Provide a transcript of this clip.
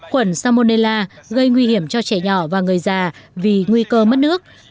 khuẩn salmonella gây nguy hiểm cho trẻ nhỏ và người già vì nguy cơ mất nước